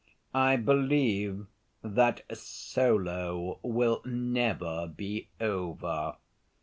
I believe that solo will never be over!